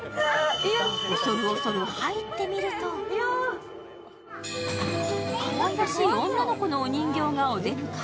恐る恐る入ってみるとかわいらしい女の子のお人形がお出迎え。